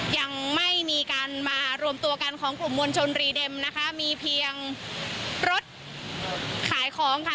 ยังไม่มีการมารวมตัวกันของกลุ่มมวลชนรีเด็มนะคะมีเพียงรถขายของค่ะ